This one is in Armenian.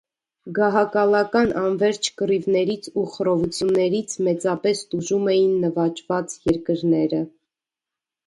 Գահակալական անվերջ կռիվներից ու խռովություններից մեծապես տուժում էին նվաճված երկրները։